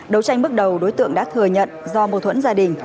đấu tranh bước đầu đối tượng đã thừa nhận do mâu thuẫn gia đình